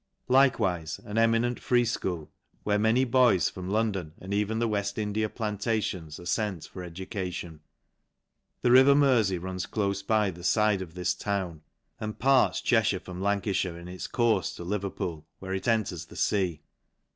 Like wife an eminent free fchool, where many boys from London, and even the Weft India plantations, are fent for education.. The river Merfey runs clofe by the N 4, \" fide 272 LAN CASHIR E, fide of this town, and parts Chejhire from Lanea/bire, in its courfe to Leverpool^ where it enters the fea.